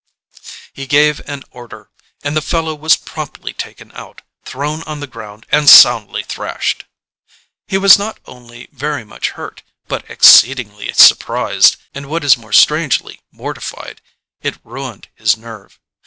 He gave an order and the fellow was promptly taken out, thrown on the ground, and soundly thrashed. He was not only very much hurt, but exceedingly surprised, and what is more strangely mortified. It ruined his nerve.